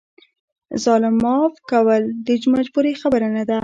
ظالم معاف کول د مجبورۍ خبره نه ده.